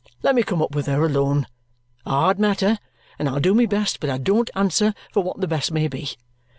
Let me come up with her alone a hard matter and I'll do my best, but I don't answer for what the best may be.